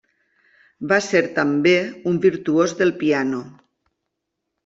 Va ser també un virtuós del piano.